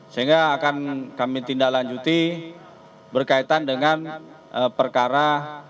sehingga akan kami tindak lanjuti berkaitan dengan perkara